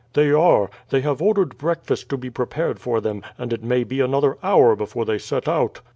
"They are. They have ordered breakfast to be prepared for them, and it may be another hour before they set out."